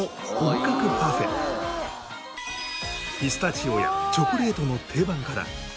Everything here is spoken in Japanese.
ピスタチオやチョコレートの定番から。